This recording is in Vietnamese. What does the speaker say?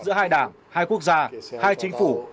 giữa hai đảng hai quốc gia hai chính phủ